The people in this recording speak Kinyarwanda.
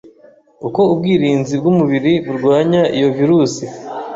uko ubwirinzi bw'umubiri burwanya iyo virusi